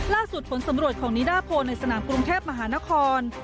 ผลสำรวจของนิดาโพลในสนามกรุงเทพมหานคร